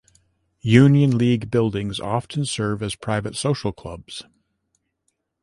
Union League buildings often serve as private social clubs.